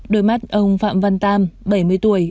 đôi mắt ông phạm văn tam bảy mươi tuổi